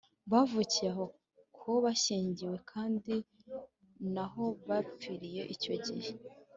bavukiye aho bashyingiwe kandi naho bapfiriye icyo gihe